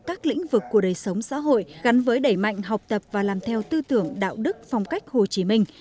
các lĩnh vực của đời sống xã hội gắn với đẩy mạnh học tập và làm theo tư tưởng đạo đức phong cách hồ chí minh